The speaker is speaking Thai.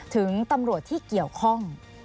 ถึงตำรวจที่เกี่ยวข้อง